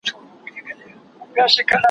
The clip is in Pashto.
زه به اوږده موده د سوالونو جواب ورکړی وم،